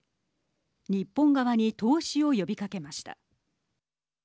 日本側に投資を呼びかけました。